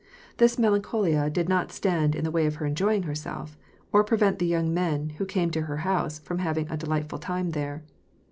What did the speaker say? This melancholia did not stand in the way of her enjoying herself, or prevent the young men who came to her house from having a delightful time there.